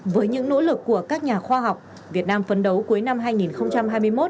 với những nỗ lực của các nhà khoa học việt nam phấn đấu cuối năm hai nghìn hai mươi một